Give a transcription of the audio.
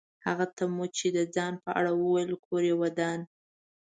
هغه ته مو چې د ځان په اړه وویل کور یې ودان.